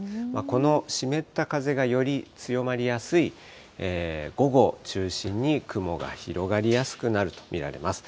この湿った風がより強まりやすい午後を中心に雲が広がりやすくなると見られます。